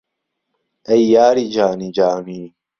ئهی یاری جانیجانی